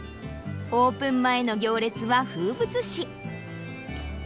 オープン前の行列は風物詩。